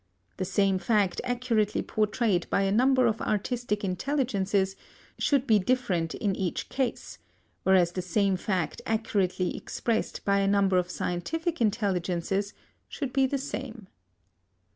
The same fact accurately portrayed by a number of artistic intelligences should be different in each case, whereas the same fact accurately expressed by a number of scientific intelligences should be the same.